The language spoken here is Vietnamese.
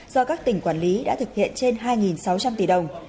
do các tỉnh quản lý đã thực hiện trên hai sáu trăm linh tỷ đồng